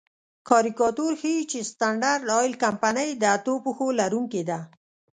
کاریکاتور ښيي چې سټنډرډ آیل کمپنۍ د اتو پښو لرونکې ده.